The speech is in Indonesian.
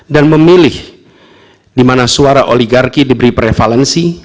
dan memilih di mana suara oligarki diberi prevalensi